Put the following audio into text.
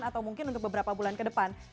atau mungkin untuk beberapa bulan ke depan